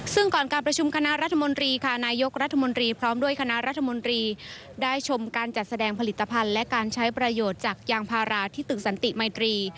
ซึ่งก่อนการประชุมคณะรัฐมนตรีค่ะนายกรัฐมนตรีพร้อมด้วยคณะรัฐมนตรีได้ชมการจัดแสดงผลิตภัณฑ์และการใช้ประโยชน์จากยางพาราที่ตึกสันติมัยตรี